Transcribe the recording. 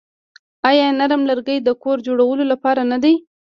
آیا نرم لرګي د کور جوړولو لپاره نه دي؟